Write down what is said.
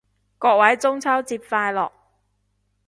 各位中秋節快樂